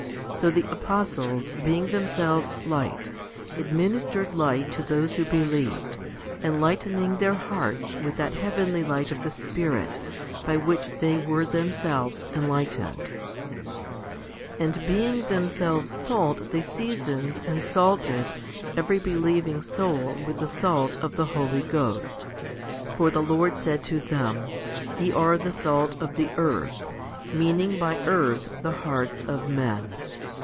So the apostles, being themselves light, administered light to those, who believed, enlightening their hearts with that heavenly light of the Spirit by which they were themselves enlightened. 1 Matt. v. 14. 2 Matt. v. 15, 16. 3 Matt. vi. 22, 23 ; Luke xi. 34. HOMILY I 5 5. And being themselves salt they seasoned and salted every believing soul with the salt of the Holy Ghost ; for the Lord said to them, Ye are the salt of the earth, 1 mean ing by earth the hearts of men.